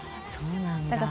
そうなんだ。